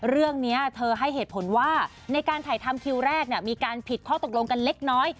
เรื่องนี้เธอให้เหตุผลว่าในการถ่ายทำคิวแรกมีการผิดข้อตกลงกันเล็กน้อย